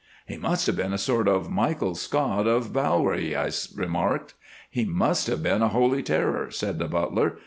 "He must have been a sort of Michael Scott of Balwearie," I remarked. "He must have been a holy terror," said the butler.